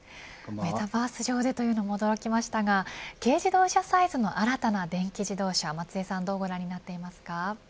メタバース上でというのも驚きましたが軽自動車サイズの新たな電気自動車松江さんはどうご覧になっていますか。